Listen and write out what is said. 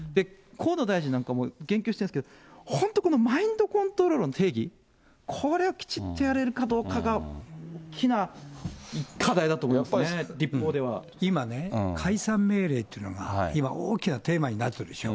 河野大臣なんかも言及してるんですけど、本当このマインドコントロールの定義、これをきちっとやれるかどうかが大きな課題だと思いますね、今ね、解散命令っていうのが、今、大きなテーマになってるでしょ。